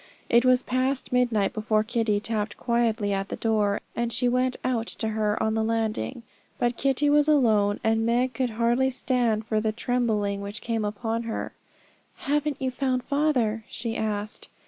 It was past midnight before Kitty tapped quietly at the door, and she went out to her on the landing. But Kitty was alone, and Meg could hardly stand for the trembling which came upon her. 'Haven't you found father?' she asked.